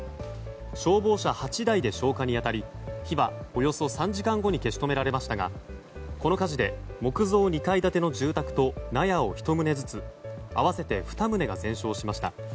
消防車８台で消火に当たり火は、およそ３時間後に消し止められましたがこの火事で木造２階建ての住宅と納屋を１棟ずつ合わせて２棟が全焼しました。